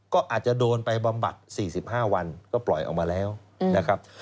ก็อาจจะโดนไปบำบัด๔๕วันก็ปล่อยออกมาแล้วนะครับ